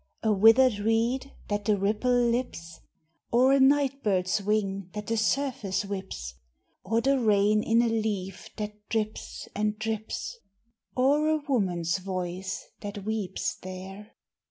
A withered reed that the ripple lips? Or a night bird's wing that the surface whips? Or the rain in a leaf that drips and drips? Or a woman's voice that weeps there?